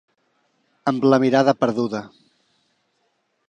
Amb la mirada perduda.